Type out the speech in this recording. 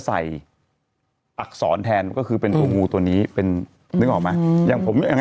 อักษรแทนก็คือเป็นตัวงูตัวนี้เป็นนึกออกไหมอย่างผมอย่าง